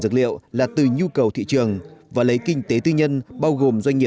trước khách đã đáp ứng nhu cầu trong nước thay thế nhập khẩu và hướng lưới xuất khẩu